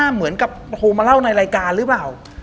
เหมือนกับโทรมาเล่าในรายการหรือเปล่า